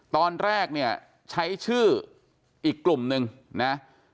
ตอนแรกเนี่ยใช้ชื่ออีกกลุ่มนึงนะ